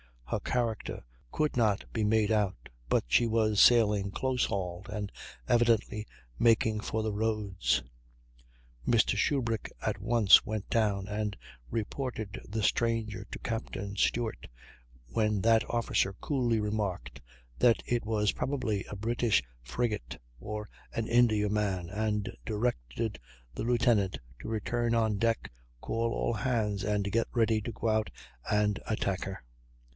Her character could not be made out; but she was sailing close hauled, and evidently making for the roads. Mr. Shubrick at once went down and reported the stranger to Captain Stewart, when that officer coolly remarked that it was probably a British frigate or an Indiaman, and directed the lieutenant to return on deck, call all hands, and get ready to go out and attack her.